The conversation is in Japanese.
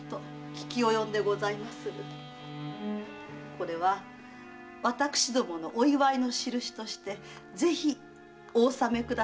これは私どものお祝いのしるしとしてぜひお納めくださりませ。